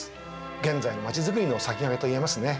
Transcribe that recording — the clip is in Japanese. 現在の街づくりの先駆けといえますね。